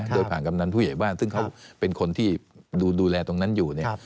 โดยผ่านกำนันผู้ใหญ่บ้านซึ่งเขาเป็นคนที่ดูแลตรงนั้นอยู่เนี่ย